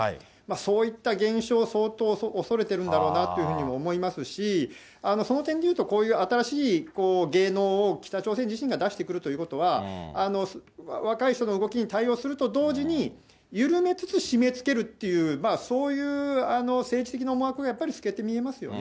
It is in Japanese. そういった現象を相当恐れているんだなというふうにも思いますし、その点で言うと、こういう新しい、芸能を北朝鮮自身が出してくるということは、若い人の動きに対応すると同時に、緩めつつ締めつけるっていう、そういう政治的な思惑がやっぱり透けて見えますよね。